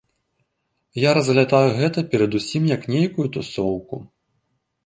Я разглядаю гэта перадусім як нейкую тусоўку.